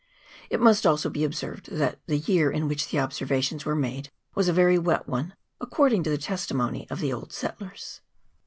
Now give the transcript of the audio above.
It must also be observed that the year in which the observations were made was a very wet one, according to the testimony of the old settlers.